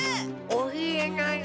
おひえない。